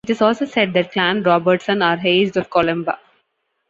It is also said that Clan Robertson are heirs of Columba.